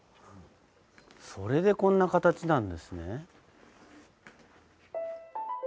それでこんな形なんですね。